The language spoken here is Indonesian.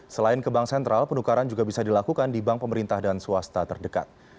selain ke bank sentral penukaran juga bisa dilakukan di bank pemerintah dan swasta terdekat